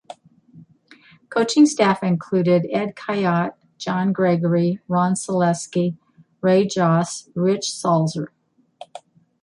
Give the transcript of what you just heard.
Coaching staff included: Ed Khayat, John Gregory, Ron Selesky, Ray Jauch, Rich Salzer.